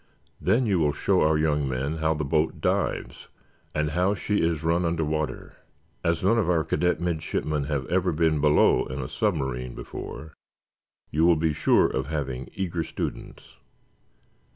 Then you will show our young men how the boat dives, and how she is run under water. As none of our cadet midshipmen have ever been below in a submarine before, you will be sure of having eager students."